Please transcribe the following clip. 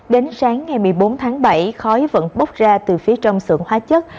đến sáng ngày một mươi bốn tháng bảy khói vẫn bốc ra từ phía trong sưởng hóa chất